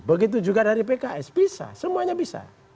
begitu juga dari pks bisa semuanya bisa